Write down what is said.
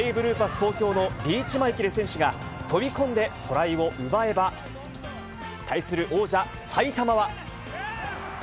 東京のリーチマイケル選手が、飛び込んでトライを奪えば、対する王者、埼玉は。